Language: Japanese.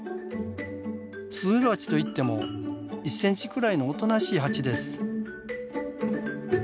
スズメバチといっても１センチくらいのおとなしいハチです。